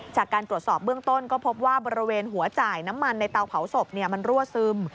จากการตรวจสอบเบื้องต้นก็พบว่าบริเวณหัวจ่ายน้ำมันในเตาเผาศพมันรั่วซึม